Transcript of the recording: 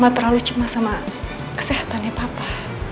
mama terlalu cuman sama kesehatannya papa